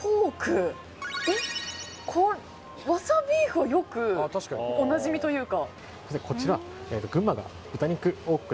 わさビーフはおなじみというか。